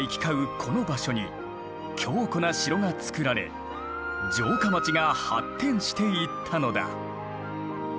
この場所に強固な城が造られ城下町が発展していったのだ。